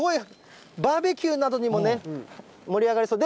バーベキューなどでもね、盛り上がりそう。